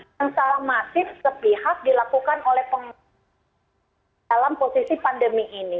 yang salah masif setihak dilakukan oleh penghentian phk dalam posisi pandemi ini